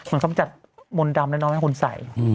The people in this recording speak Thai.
มันอำจัดมนต์ดำได้แล้วให้คุณใส่